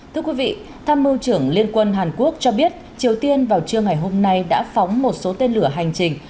thưa quý vị tham mưu trưởng liên quân hàn quốc cho biết triều tiên vào trưa ngày hôm nay đã phóng một số tên lửa hành trình